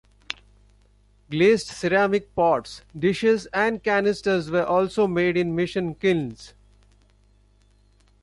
Glazed ceramic pots, dishes, and canisters were also made in mission kilns.